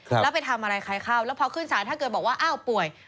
แล้วไปทำอะไรใครเข้าแล้วพอขึ้นสารถ้าเกิดบอกว่าอ้าวป่วย